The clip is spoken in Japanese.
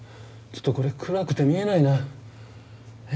ちょっとこれ暗くて見えないな。